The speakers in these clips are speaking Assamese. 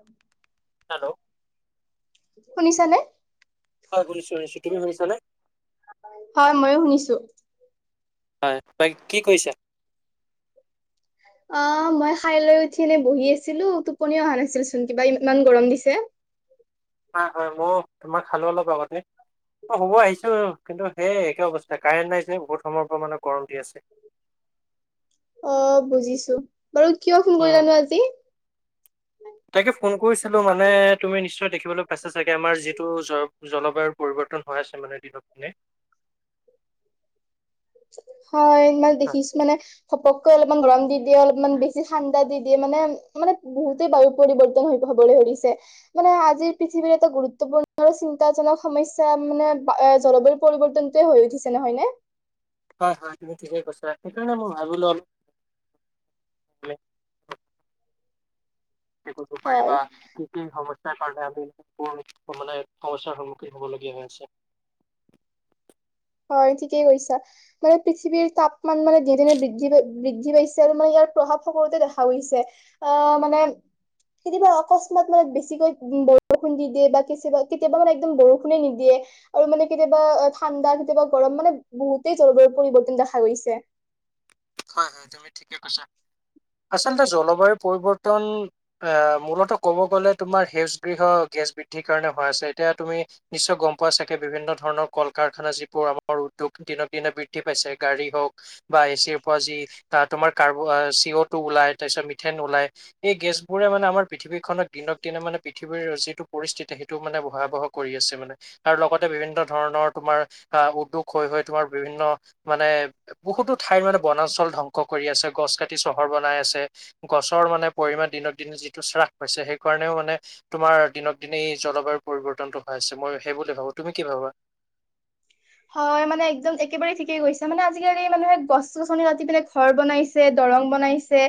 উম। হেল্লো। শুনিছা নে? হয়, শুনিছোঁ শুনিছোঁ। তুমি শুনিছানে? হয়, মইয়ো শুনিছোঁ। হয়। তই কি কৰিছা? অহ মই খাই লৈ উঠি এনে বহি আছিলো টোপনি অহা নাছিল চোন, কিবা ইম-ইমান গৰম দিছে। নাই, হয়। মো তোমাৰ খালোঁ অলপ আগতে। অ শুৱ আহিছো, কিন্তু সেই একে অৱস্থা কাৰেণ্ট নাই যে বহুত সময়ৰ পৰা মানে গৰম দি আছে। [unintelligible] অহ বুজিছো। বাৰু কিয় ফোন উম। কৰিলানো আজি? তাকে ফোন কৰি চালোঁ মানে, তুমি নিশ্চয়। দেখিবলৈ পাইছা চাগে আমাৰ যিটো জৌ জলবায়ুৰ পৰিৱৰ্তন হৈ আছে মানে দিনক দিনে। [unintelligible] হয়। মানে দেখিছোঁ মানে। পকৈ অলপমান গৰম দি দিয়ে অলপমান বেছি ঠাণ্ডা দি দিয়ে মানে, মানে বহুতে বায়ু পৰিৱৰ্তন হৈ হ'ব। হবলৈ ধৰিছে। মানে আজিৰ পৃথিৱীৰ এটা গুৰুত্বপূৰ্ণ আৰু চিন্তা যেনে সমসা মানে বা এ জলবায়ুৰ পৰিৱৰ্তনটোয়ে হৈ উঠিছে নহয় নে? হয়, হয় তুমি ঠিকেই কৈছা। সেইকাৰণে মই ভাবিলোঁ অল। মে লোপ। হেৰি কৰিব হয়। পাৰিব কি কি সমস্যা। তাৰ কাৰণে আমি মানে সমস্যাৰ সন্মুখীন হবলগীয়া হৈ আছে। [inaudible] হয় ঠিকেই কৈছা মানে পৃথিৱীৰ তাপমান মানে ধনে ধনে বৃদ্ধি প বৃদ্ধি পাইছে আৰু মানে ইয়াৰ। প্ৰভাৱ সকলোতে দেখা গৈছে আহ মানে। কেতিয়াবা অকস্মাত মানে বেছিকৈ উ বৰষুণ দি দিয়ে বা কেতিয়াবা কেতিয়াবা মানে একদম বৰষুণে নিদিয়ে। আৰু মানে কেতিয়াবা ঠাণ্ডাত। কেতিয়াবা গৰম মানে বহুতেই জলবায়ুৰ পৰিৱৰ্তন দেখা গৈছে। হয় হয় তুমি ঠিকে কৈছা। আচলতে জলবায়ু পৰিবৰ্তন আহ মূলত ক'ব গ'লে তোমাৰ সেউজ গৃহ গেছ। বৃদ্ধিৰ কাৰণে হয় আছে এতিয়া তুমি নিশ্চয় গম পোৱা চাগে বিভিন্ন ধৰণৰ কল কাৰখানা যিবোৰ আমাৰ উদ্যোগ। দিনক দিনে বৃদ্ধি পাইছে গাড়ী হওক বা এ চিৰ। যি তোমাৰ কাৰ্ব চিঅ ওলাই তাৰপিছত মিথেন ওল এই গেছ বোৰে মানে আমাৰ। পৃথিৱীখননক দিনক দিনে মানে পৃথিৱীৰ যিটো পৰিস্থিতি সেইটো মানে ভয়াৱহ কৰি আছে মানে আৰু লগতে বি। বিভিন্ন ধৰণৰ তোমাৰ আহ উদ্যোগ হৈ হৈ তোমাৰ বিভিন্ন মানে বহুতো ঠাইত মানে। বনাঞ্চল ধ্বংস কৰি আছে গছ কাটি চহৰ বনাই আছে গছৰ মানে পৰিমণ দিনক দিনে যিটো চ। পাইছে সেই কাৰণেও মানে তোমাৰ দিনক দিনে এই জলবায়ু পৰিৱৰ্তনটো হোৱা আছে মই সেই বুলি ভাবো তুমি। [inaudible] হয় মানে একদম একেবাৰেেই ঠিকে গৈছে মানে আজিকালি মানুহে গছ গছনি ৰাতি পেনে ঘৰ বনাইছে। ৰং বনাইছে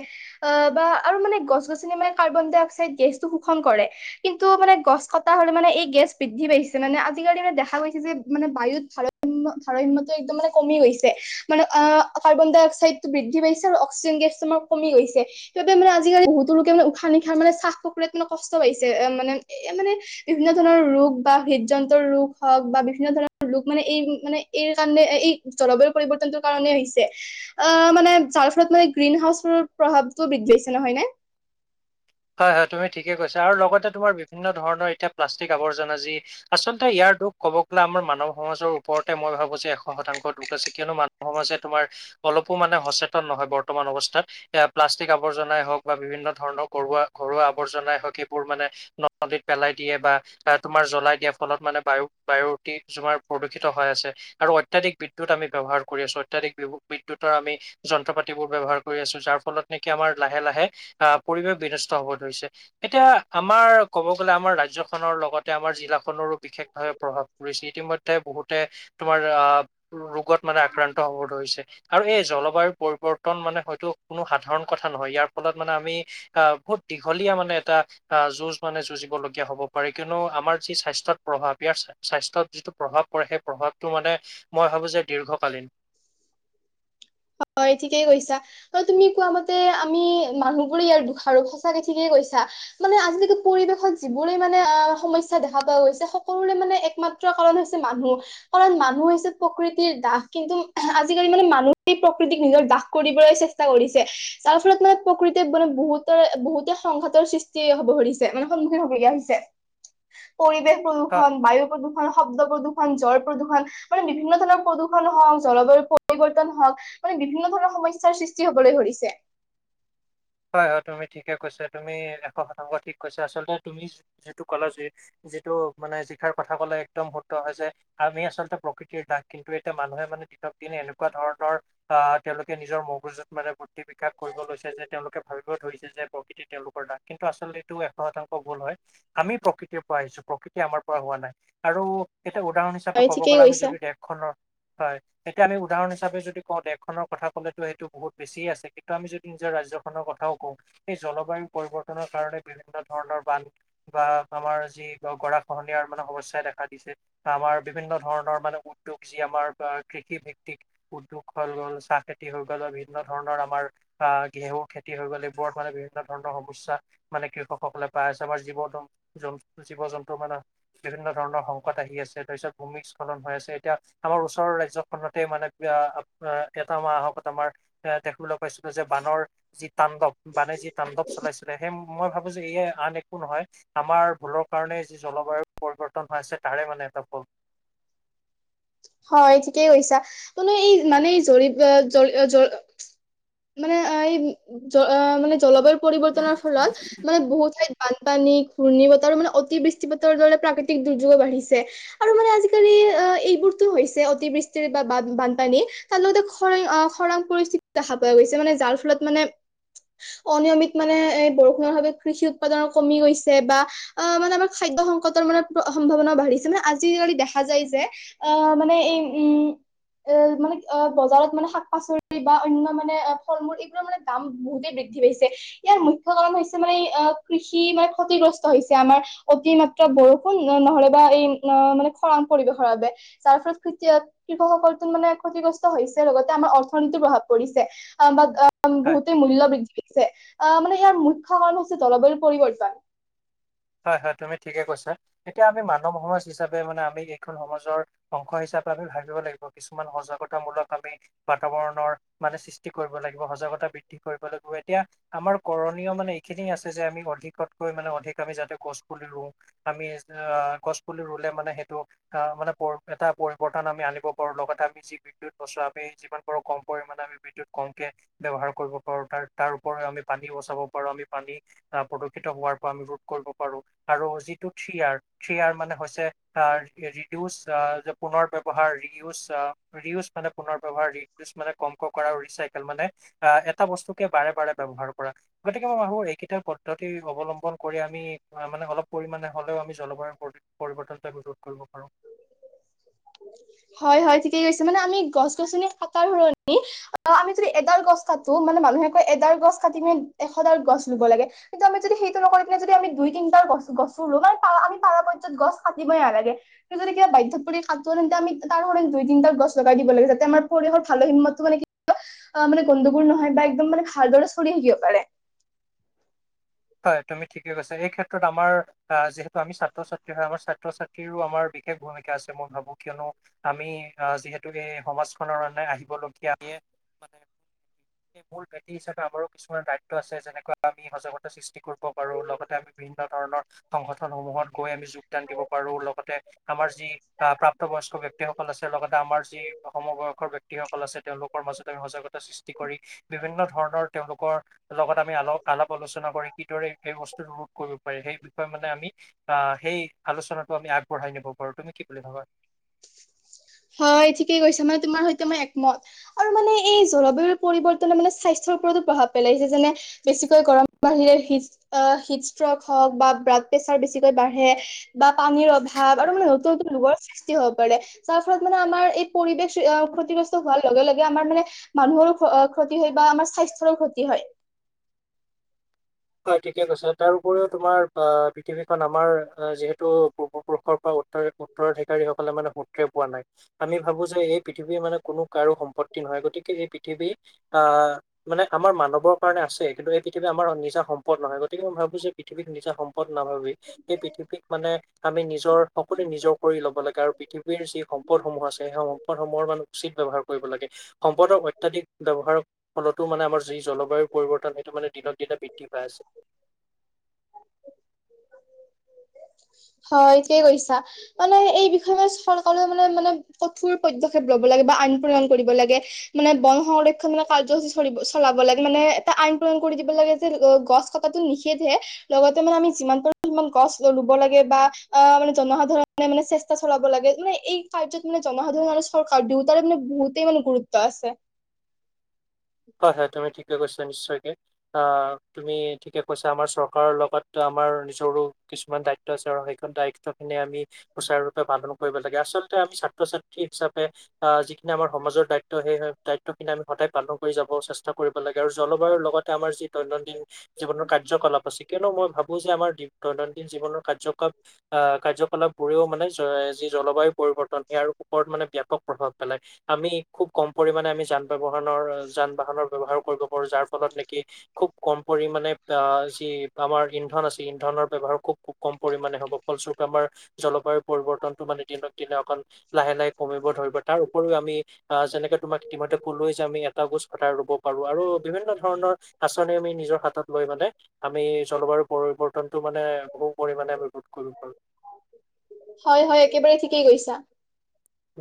বা আৰু মানে গছ গছনি মানে কাৰ্বন ডাই অক্সাইড গেছটো শোষণ কৰে। কিন্তু মানে গছ কটা হলে মানে এই গেছ বৃদ্ধি পাইছে মানে আজিকালি মানে দেখা গৈছে যে মানে বায়ুত ভাৰত। ধাৰ্যতটো একদম মানে কমি গৈছে মানে অ কাৰ্বন ডাই অক্সাইডতটো বৃদ্ধি পাইছে আৰু অক্সিজেন। তোমাৰ কমি গছে সেইাবে মানে আজিকালি বহুতো লোকে মান উশ নিশাহ মানে চাহ কুকুৰা মানে কষ্ট পাইছে। মানে এ মানে বিভিন্ন ধৰণৰ ৰোগ বা হৃদযন্তৰ ৰোগ হওক বা বিভিন্ন ধৰণৰ ৰোগ মানে। এই মানে এই কাৰণে এই জলবায়ু পৰিৱৰ্তনটোৰ কাৰণে হৈছে আহ মানে যাৰ ফলত মানে। গ্ৰীণ হাউচৰ প্ৰভাৱটো বৃদ্ধি পাইছে নহয় নে? [inaudible] হয়-হয় তুমি ঠিকে কৈছা আৰু লগতে তোমাৰ বিভিন্ন ধৰণৰ এতিয়া প্লাষ্টিক আৱৰ্জনা আজি আচলতে ইয়াৰ দুখ ক'ব গ'লে আমাৰ মানৱ সমাজৰ ওপৰতে মই ভাবো যে এশ শতাংশ দুখ আছে। কিয়নো মানৱ সমাজে তোমাৰ অলপো মানে সচেতন নহয় বৰ্তমান অৱস্থাত এ প্লাষ্টিক আৱৰ্জনাই হওক বা বিভিন্ন ধৰণক, ঘৰুা ঘৰুৱা আৱৰ্জনাই হক সেইবোৰ মানে নদীত পেলাই দিয়ে বা তুমাৰ জ্বলাই দিয়া ফলত মা নে বায়ু বায়ুতিক প্ৰদূষিত হয় আছে আৰু অত্যয়াধিক বিদ্যুত আমি ব্যৱহাৰ কৰি আছো, অত্যাধিক বি দ্যুৎৰ আমি যন্ত্ৰ পাতিবোৰ আমি ব্যৱহাৰ কৰি আছো, যাৰ ফলত নেকি আমাৰ লাহে-লাহে আহ, পৰিৱেশ বিনষ্ট হব ধৰিছে এতিয়া আমাৰ ক'ব গ'লে আমাৰ ৰাজ্যখনৰ লগতে আমাৰ জিলা, খনৰো বিশেষভাৱে প্ৰভাৱ পৰিছে ইতিমধ্যে বহুতে তোমাৰ আহ ৰোগত, মান আক্ৰান্ত হব ধৰিছে। আৰু এই জলবায়ুৰ পৰিৱৰ্তন মানে হয়তো কোনো সাধাৰণ কথা নহয়। ইয়াৰ ফলত মানে আমি, আহ বহুত দীঘলীয়া মানে এটা আহ যুঁজ মানে যুঁজিবলগীয়া হ'ব পাৰে কিয়নো আমাৰ যি স্বাস্থ্য, ত'ত প্ৰভাৱ ইয়াৰ স্বাস্থ্যত যিটো প্ৰভাৱ পৰে সেই প্ৰভাৱটো মানে মই ভাবো যে দীৰ্ঘকালীন। [inaudible] হয়, ঠিকেই কৈছা, তুমি কোৱা মতে আমি মানুহবোৰে ইয়াৰ দুখাৰো, সঁচাকে ঠিকে কৈছা মানে আজিলে পৰিৱেশত যিবোৰে মানে অ', সমস্যা দেখা পোৱা গৈছে সকলোৰে মানে একমাত্ৰ মাত্ৰ কাৰণ হৈছে মানুহ, কাৰণ মানুহ হৈছে প্ৰকৃতিৰ দাস কিন্তু আজিকালি মানে মানুহ সেই প্ৰকৃতিক নিজৰ দাস কৰিবলৈ চেষ্টা কৰিছে যাৰ ফলত মানে প্ৰকৃতিক মানে বহুতৰে বহুতে সংঘাতৰ সৃষ্টি হ'ব ধৰিছে মানে সন্মুখীন হ'ব লগীয়া হৈছে। [inaudible] পৰিৱেশ আ প্ৰদূষণ, বায়ু প্ৰদূষণ, শব্দ প্ৰদূ জল প্ৰদূষণ মানে বিভিন্ন ধৰণৰ প্ৰদূষণ হওঁক জলবায়ু পৰিৱৰ্তন তন হওঁক মানে বিভিন্ন ধৰণৰ সমস্যাৰ সৃষ্টি হ'বলৈ ধৰিছে। হয়, হয় তুমি ঠিকে কৈছ তুমি এশ শতাংশ ঠিক কৈছা আচলতে তুমি যিটো ক'লা যে যিটো মানে যি শাৰ কথা ক'লে একদম শুদ্ধ হয় যে আমি আচলতে প্ৰকৃতিৰ দাস কিন্তু এতিয়া মানুহে মানে দিনত দিনে এনেকুৱা ধৰণৰ অহ, তেওঁলোকে নিজৰ মগজুত মানে বুদ্ধি বিকাশ কৰিব লৈছে যে তেওঁলোকে ভাবিব ধৰিছে যে প্ৰকৃতি তেওঁলোকৰ দাস কিন্তু আচলতে এইটো এশ শতাংশ ভুল হয়, আমি প্ৰকৃতিৰ পৰা আহিছোঁ প্ৰকৃতি আমাৰ পৰা হোৱা নাই আৰু এতিয়া উদাহৰণ হিচাপে হয় ক'ব ঠিকেই গ'লে আমি কৈছা, যদি দেশখনৰ হয়, এতিয়া আমি উদাহৰণ হিচাপে যদি কওঁ দেশখনৰ কথা ক'লেটো সেইটো বহুত বেছি আছে কিন্তু আমি যদি নিজৰ ৰাজ্য খনৰ কথাও কওঁ এই জলবায়ু পৰিৱৰ্তনৰ কাৰণে বিভিন্ন ধৰণৰ বান বা আমাৰ যি গৰাখহনিয়াৰ মানে সমস্যাই দেখা দিছে বা আমাৰ বিভিন্ন ধৰণৰ মানে উদ্যোগ যি আমাৰ বা কৃষি ভিত্তিক উদ্যোগ হৈ গ'ল চাহ খেতি হৈ গ'ল বিভিন্ন ধৰণৰ আমাৰ অহ, ঘেঁহু খেতি হৈ গ'ল এইবোৰত মানে বিভিন্ন ধৰণৰ সমস্যা মানে কৃষকসকলে পাই আছে, আমাৰ জীৱ [unintelligible] জীৱ-জন্তুৰ মানে বিভিন্ন ধৰণৰ সংকট আহি আছে তাৰপিছত ভূমিস্খলন হৈ আছে, এতিয়া আমাৰ ওচৰৰ ৰাজ জ্যখনতে মানে অ', এটা মাহকত আমাৰ এ দেখিবলৈ পাইছিলোঁ যে বানৰ যি তাণ্ডৱ বানে যি তাণ্ডৱ চলাইছিলে সেই মই ভাবো যে ইয়ে আন একো নহয় আমাৰ ভুলৰ কাৰণে যি জলবায়ু পৰিৱৰ্তন হৈ আছে তাৰে মানে এটা ফল। হয়, ঠিকেই কৈছা, কোনো এই মানে জৰি-জ-জ মানে এই জ-মানে জলবায়ু পৰিৱৰ্তনৰ ফলত মানে বহুত ঠাইত বানপানী, ঘূৰ্ণী বতাহ আৰু মানে অতি বৃষ্টিপাতৰ দৰে প্ৰাকৃতিক দুৰ্যোগো বাঢ়িছে আৰু মানে আজিকালি কি অ', এইবোৰ টো হৈছে অতিবৃষ্টিৰ বা বানপানী তাৰ লগতে খৰাং খৰাং পৰিস্থিতি দেখা পোৱা গৈছে, মানে যাৰ ফলত মানে অনিয়মিত মানে এ বৰষুণৰ ভাৱ কৃষি উৎপাদন কমি গৈছে বা অ', মানে আমাৰ খাদ দ্য সংকটৰ মানে সম্ভাৱনাও বাঢ়িছে মানে আজিকালি দেখা যায় যে। অ', মানে এই, উম অ', মানে অ', বজাৰত মানে শাক-পাচলি বা অন্য মানে ফল-মূল এইবোৰৰ মানে দাম বহুতেই বে বৃদ্ধি পাইছে ইয়াৰ মুখ্য কাৰণ হৈছে মানে অ', কৃষি মানে ক্ষতিগ্ৰস্ত হৈছে আমাৰ অতিমাত্ৰা ত্ৰাত বৰষুণ নহ'লেবা এই অ', মানে খৰাং পৰিৱেশৰ বাবে। যাৰ ফলত কৃতি কৃষকসকলটো মানে ক্ষতিগ্ৰস্ত হৈছে লগতে আমাৰ অৰ্থনীতিৰ প্ৰভাৱ পৰিছে অ', বা অ' অম, হয় বহুতেই মূল্য বৃদ্ধি হৈছে। অহ, মানে ইয়াৰ মুখ্য কাৰণ হৈছে জলবায়ুৰ পৰিৱৰ্তন। হয়, হয় তুমি ঠিকে কৈছা এতিয়া আমি মানৱ সমাজ হিচাপে মানে আমি এইখন সমাজৰ অংশ হিচাপ চাপে আমি ভাবিব লাগিব কিছুমান সজাগতাামূলক আমি বাতাবৰণৰ মানে সৃষ্টি কৰিব লাগিব, সজাগত গতা বৃদ্ধি কৰিব লাগিব এতিয়া আমাৰ কৰণীয় মানে এইখিনি আছে যে আমি অধিকতকৈ মানে অধিক আমি যাতে গছ পুলি ৰুও, আমি অ', গছ পুলি ৰুলে মানে সেইটো অ', মানে প' এটা পৰিৱৰ্তন আমি আনিব পাৰোঁ লগতে আমি যি বিদ্যুৎ বচাও আমি যিমান পাৰোঁ কম পৰিমাণে আমি বিদ্যুৎ কমকে ব্যৱহাৰ কৰিব পাৰোঁ তাৰ তাৰ ওপৰি আমি পানী বচাব পাৰোঁ আমি পানী অহ, প্ৰদূষিত হোৱাৰ পৰা আমি কৰিব পাৰোঁ আৰু যিটো থ্ৰি আৰ, থ্ৰি আৰ মানে হৈছে অ', ৰিডিউছ অ' পুনৰ ব্যৱহাৰ, ৰিউজ, ৰিউজ মানে পুনৰ ব্যৱহাৰৰ, ৰিডিউজ মানে কমকে কৰা আৰু ৰিচাইকেল মানে অহ, এটা বস্তুকে বাৰে বাৰে ব্যৱহাৰ কৰা গতিকে মই ভাবো এইকেইটা পদ্ধতি অৱলম্বন কৰি আমি মানে অলপ পৰিমাণে হ'লেও আমি জলবায়ুৰ পৰি পৰিৱৰ্তন ৰোধ কৰিব পাৰো হয় হয় ঠিকেই কৈছে মানে আমি গছ গছনি কাটাৰ সলনি আমি যদি এডাল গছ কাটো মানে মানুহে কয় এডাল গছ কাটি পিনে এশডাল গছ ৰোব লাগে কিন্তু আমি যদি সেইটো নকৰি পিনে যদি আমি দুই তিনটাৰ গছ গছো ৰোমেই পাও আমি পাৰা পৰ্যায় গছ কাটিবই নালাগে কিন্ত যদি কিবা বাধ্যত পৰি তাত তে আমি তাৰ দুই তিনিটা গছ লগাই দিব লাগে যাতে আম পৰিয়ৰ ভাল সীমতটো মানে অ মানে গণ্ডগোল নহয় বা একদম মানে ভালদৰে চলি থাকিব পাৰে হয় তুমি ঠিকে কৈছা এই ক্ষেত্ৰত আমাৰ আহ যিহেতু আমি ছাত্ৰ ছাত্ৰী হয় আমাৰ ছাত্ৰ ছাত্ৰীৰো আমাৰ বিশেষ ভূমিকা আছে মই ভাবো কিয়নো আমি আহ যিহেতু এই সমাজখনৰ অন আহিবলগীয়া আমিয়ে মানে মূল ভিটি হিচাপে আমাৰো কিছুমান দায়িত্ব আছে যেনেকুৱা আমি সজাগতা সৃষ্টি কৰিব পাৰোঁ লগতে আমি বিভিন্ন ধৰণৰ সংগঠনসমূহত গৈ আমি যোগদান দিব পাৰো লগতে আমাৰ যি আহ প্ৰাপ্ত বয়স্ক ব্যক্তি সকল আছে লগতে আমাৰ যি সম বয়সৰ ব্যক্তিসকল আছে তেওঁলোক। মাজত আমি সজাগতা সৃষ্টি কৰি বিভিন্ন ধৰণৰ তেওঁলোকৰ লগত আমি আল আলাপ আলোচনা। কিদৰে সেই বস্তুটো ৰোধ কৰিব পাৰি সেই বিষয়ে মানে আমি আহ সেই আলোচনাটো আমি আগবঢ় বঢ়াই নিব পাৰো তুমি কি বুলি ভাবা? হয় ঠিকে কৈছা মানে তোমাৰ সৈতে মই একমত আৰু মানে এই জলবায়ুৰ পৰিৱৰ্তনে মানে স্বাস্থ্য। ওপৰত প্ৰভাৱ পেলাইছে, যেনে বেছিকৈ গৰম আ হ-হি ষ্ট্ৰক হওক বা ব্ৰাক প্ৰেচাৰ বেছিকৈ বাঢ়ে বা পানীৰ অভাৱ আৰু মানে নতুন নতুন ৰোগৰ সৃষ্টি হ'ব পাৰে। তাৰ ফলত মানে আমাৰ এই পৰিবেশ ক্ষতিগ্ৰস্ত হোৱাৰ লগে লগে আমাৰ মানে মানুহৰো ক্ষ ক্ষতি হয় বা। আমাৰ স্বাস্থ্যৰ ক্ষতি হয়। [inaudible] হয় ঠিকে কৈছে তাৰ উপৰিও তোমাৰ অ' পৃথিৱীখন আমাৰ যিহেতু পূৰ্বপুৰুষৰ পৰাও। ত উত্তৰাধিকাৰীসকলে মানে সূত্ৰে পোৱা নাই আমি ভাবো যে এই পৃথিৱীৰ মানে কোনো কাৰো সম্পত্তি। নহয় গতিকে এই পৃথিৱী আহ মানে আমাৰ মানৱৰ কাৰণে আছে কিন্তু এই পৃথিৱী আমাৰ নিজা। সম্পদ নহয় গতিকে মই ভাবো যে পৃথিৱীক নিজা সম্পদ নাভাবি সেই পৃথিৱীক মানে। আমি নিজৰ সকলোৱে নিজৰ কৰি ল'ব লাগে আৰু পৃথিৱীৰ যি সম্পদ সমূহ আছে সেই সম্পদসমূহৰ মানে উচিত। ব্যৱহাৰ কৰিব লাগে, সম্পদৰ অত্যাধিক ব্যৱহাৰৰ ফলতো মানে আমাৰ যি জলবায়ু পৰিৱৰ্তন সেইটো মানে। দিনক দিনে বৃদ্ধি পাই আছে। হয় কেই কৈছা মানে এই বিষয়ে মান চৰকাৰে মানে মানে কঠোৰ পদ্যক্ষেপ লব লাগে। কিবা আইন প্ৰণয়ন কৰিব লাগে, মানে বন সংৰক্ষণ মানে কাৰ্যসূচী চলিব চলাব লাগে মানে এটা আইনপণ কৰি দিব লাগে যে গছ কটাতো নিষেধ সে। লগতে আমি যিমান পাৰো সিমান গছ ৰুব লাগে। বা অ' মানে জনসাধাৰণে মানে চেষ্টা চলাব লাগে, মানে এই কাৰ্যত মানে জনসাধাৰণ আৰু চৰকাৰ দোয়ো তাৰ মানে বহুতেই মানে গুৰুত্ব আছে। [inaudible] হয় হয় তুমি ঠিকে কৈছা, নিশ্চয়কে অ' তুমি ঠিকে কৈছা আমাৰ চৰকাৰৰ লগত আমাৰ। মাৰ নিজৰো কিছুমান দায়িত্ব আছে আৰু সেইখন দায়িত্ব খিনি আমি সুচাৰুৰূপে পালন কৰিব লাগে, আচলতে। আমি ছাত্ৰ ছাত্ৰী হিচাপে আহ যিখিনি আমাৰ সমাজৰ দায়িত্ব সেই দায়িত্বখিনি আমি সদায় পালন কৰি যাব চেষ্টা কৰিব লাগে, আৰু জলবায়ুৰ লগতে আমাৰ যি দৈনন্দিন জীৱনৰ কাৰ্যকলাপ আছে। কিয়নো মই ভাব বো যে আমাৰ দৈনন্দিন জীৱনৰ কাৰ্যাকাপ কাৰ্যকলাপবোৰেও মানে যি জলবায়ু। পৰিৱৰ্তন ইয়াৰ ওপৰত মানে ব্যাপক প্ৰভাৱ পেলায়, আমি খুব কম পৰিমণে আমি যান ব্যৱহৰণৰ। যান বাহনৰ ব্যৱহাৰ। কৰিব পাৰো যাৰ ফলত নেকি খুব কম পৰিমাণে আ যি আমাৰ ইন্ধন আছে ইন্ধনৰ ব্যৱ খুব কম পৰিমাণে হ'ব ফলস্বৰূপে আমাৰ জলবায়ু পৰিৱৰ্তনটো মানে দিনক দিনে অকণ লাহে লাহে। কমিব ধৰিব তাৰ উপৰিও আমি অ' যেনেকে তোমাক ইতিমধ্যে কলোয়ে যে আমি। কাগজ কতাই ৰুব পাৰো আৰু বিভিন্ন ধৰণৰ আচনি আমি নিজৰ হাতত লৈ মানে আমি জলবায় পৰিৱৰ্তনটো মানে বহু পৰিমানে আমি ৰোধ কৰিব পাৰো। হয় হয় একেবাৰে ঠিকেই কৈছা।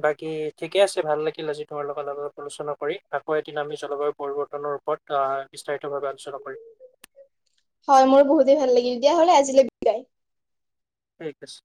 বাকী ঠিকে আছে, ভাল লাগিল আজি তোমাৰ লগত অলপ আলোচনা কৰি আকৌ এদিন আমি জলবায়ু পৰিৱৰ্তনৰ ওপৰত বিস্তাৰিতভাৱে আলোচনা কৰিম। হয় মোৰ বহুতেই ভাল লাগিল, দিয়া হ'লে আজিলৈ বিদায়। ঠিক আছে।